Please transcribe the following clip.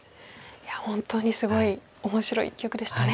いや本当にすごい面白い一局でしたね。